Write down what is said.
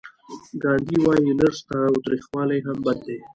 ګاندي وايي لږ تاوتریخوالی هم بد دی.